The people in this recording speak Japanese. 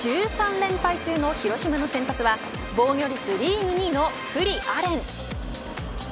連敗中の広島の先発は防御率リーグ２位の九里亜蓮。